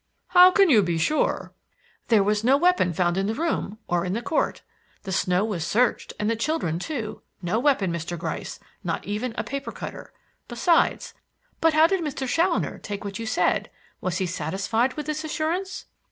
"How can you be sure?" "There was no weapon found in the room, or in the court. The snow was searched and the children too. No weapon, Mr. Gryce, not even a paper cutter. Besides but how did Mr. Challoner take what you said? Was he satisfied with this assurance?"